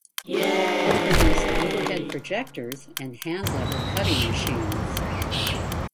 It produced overhead projectors and hand lever cutting machines.